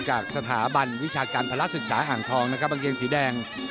จากสถาบันวิชาการภาระศึกษาอ่างทองนะครับกางเกงสีแดง